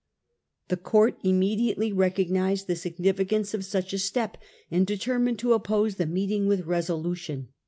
The court immediately recognised the signi ficance of such a step, and determined to oppose the meeting with resolution.